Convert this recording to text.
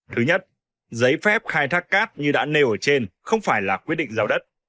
thứ nhất giấy phép khai thác cát như đã nêu ở trên không phải là quyết định giao đất